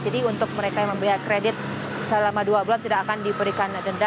jadi untuk mereka yang membeli kredit selama dua bulan tidak akan diberikan denda